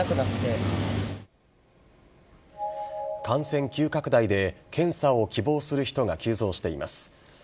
感染急拡大で検査を希望する人が急増しています。